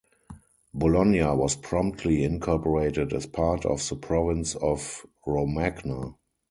Bologna was promptly incorporated as part of the province of Romagna.